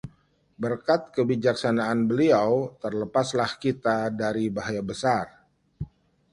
berkat kebijaksanaan beliau, terlepaslah kita dari bahaya besar